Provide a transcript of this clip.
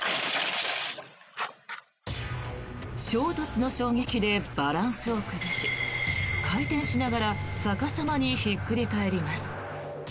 衝突の衝撃でバランスを崩し回転しながら逆さまにひっくり返ります。